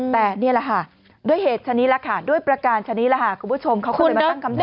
แต่นี่แหละค่ะด้วยเหตุชนิดแหละค่ะด้วยประการชนิดแหละค่ะคุณผู้ชมเขาก็เลยมาตั้งคำถาม